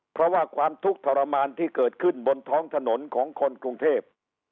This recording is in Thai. เพราะว่าความทุกข์ทรมานที่เกิดขึ้นบนท้องถนนของคนกรุงเทพ